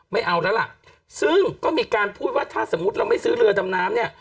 ไม่เอาแล้วล่ะซึ่งก็มีการพูดว่าถ้าสมมุติเราไม่ซื้อเรือดำน้ำเนี่ย